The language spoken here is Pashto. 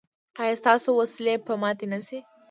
ایا ستاسو وسلې به ماتې نه شي؟